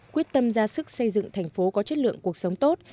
quyết tâm ra sức xây dựng thành phố có chất lượng cuộc sống tốt